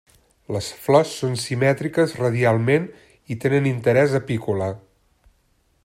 Les flors són simètriques radialment i tenen interès apícola.